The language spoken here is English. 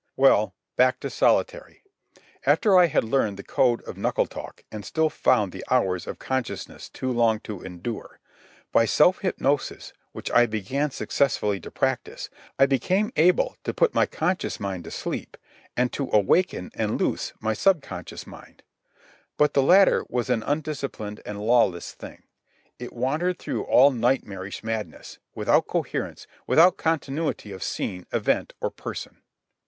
Well, back to solitary, after I had learned the code of knuckle talk and still found the hours of consciousness too long to endure. By self hypnosis, which I began successfully to practise, I became able to put my conscious mind to sleep and to awaken and loose my subconscious mind. But the latter was an undisciplined and lawless thing. It wandered through all nightmarish madness, without coherence, without continuity of scene, event, or person.